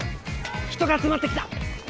人が集まってきた！